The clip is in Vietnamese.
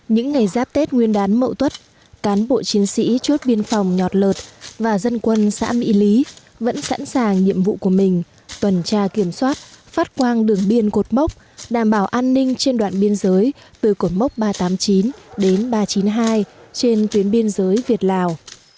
những ngày giáp tết nguyên đán mậu tuất cán bộ chiến sĩ chốt biên phòng nhọt lợt và dân quân xã mỹ lý vẫn sẵn sàng nhiệm vụ của mình tuần tra kiểm soát phát quang đường biên cột mốc đảm bảo an ninh trên đoạn biên giới từ cột mốc ba trăm tám mươi chín đến ba trăm chín mươi hai trên tuyến biên giới việt lào